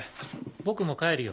僕も帰るよ。